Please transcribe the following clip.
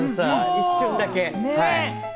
一瞬だけ。